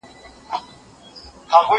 په سبا به آوازه سوه په وطن کي